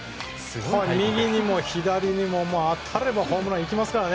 右にも左にも、当たればホームランいきますから。